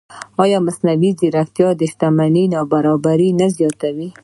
ایا مصنوعي ځیرکتیا د شتمنۍ نابرابري نه زیاتوي؟